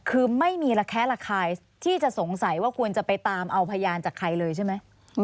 คือไม่มีระแคะระคายที่จะสงสัยว่าควรจะไปตามเอาพยานจากใครเลยใช่ไหม